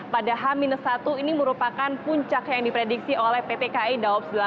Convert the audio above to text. pada hamilus satu ini merupakan puncak yang diprediksi oleh ptki dawab delapan